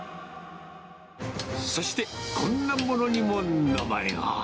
そして、こんなものにも名前が。